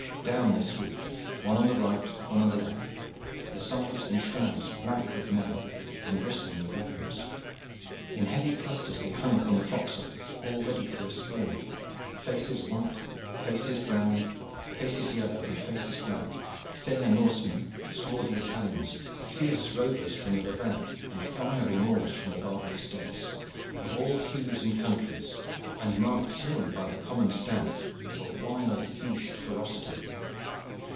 Down they swooped, one on the right, one on the left, the sides and shrouds black with men and bristling with weapons. In heavy clusters they hung upon the forecastle all ready for a spring faces white, faces brown, faces yellow, and faces black, fair Norsemen, swarthy Italians, fierce rovers from the Levant, and fiery Moors from the Barbary States, of all hues and countries, and marked solely by the common stamp of a wild beast ferocity.